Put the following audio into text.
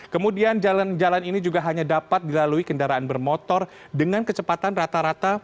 kemudian jalan jalan ini juga hanya dapat dilalui kendaraan bermotor dengan kecepatan rata rata